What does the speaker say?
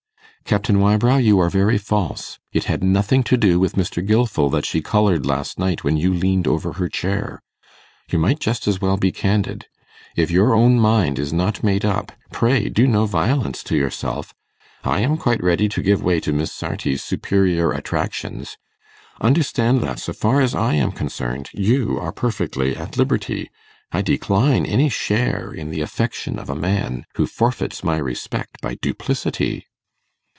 'Captain Wybrow, you are very false. It had nothing to do with Mr. Gilfil that she coloured last night when you leaned over her chair. You might just as well be candid. If your own mind is not made up, pray do no violence to yourself. I am quite ready to give way to Miss Sarti's superior attractions. Understand that, so far as I am concerned, you are perfectly at liberty. I decline any share in the affection of a man who forfeits my respect by duplicity.